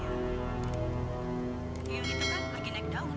jadi yang itu kan lagi naik daun